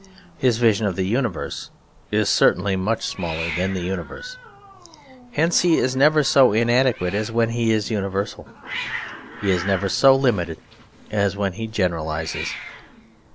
His vision of the universe is certainly much smaller than the universe. Hence he is never so inadequate as when he is universal; he is never so limited as when he generalises.